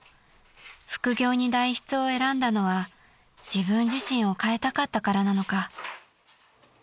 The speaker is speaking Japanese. ［副業に代筆を選んだのは自分自身を変えたかったからなのか］